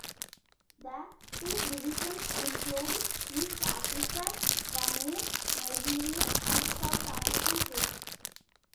The two divisions included East African, Ghanaian, Nigerian, and South African troops.